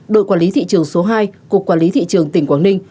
đội quản lý thị trường số hai cục quản lý thị trường tỉnh quảng ninh